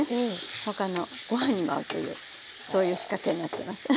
他のご飯にも合うというそういう仕掛けになってます。